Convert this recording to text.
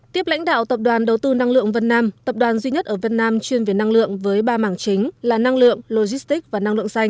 tiếp lãnh đạo tập đoàn đầu tư năng lượng vân nam tập đoàn duy nhất ở vân nam chuyên về năng lượng với ba mảng chính là năng lượng logistic và năng lượng xanh